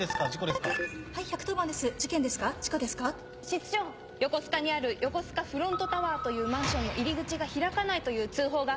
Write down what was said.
室長横須賀にある横須賀フロントタワーというマンションの入り口が開かないという通報が。